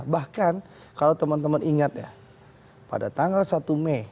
bahkan kalau teman teman ingat ya pada tanggal satu mei